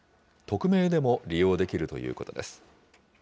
匿名でも利用できるということです。